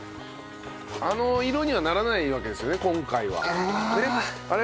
あの色にはならないわけですよね今回は。ああ。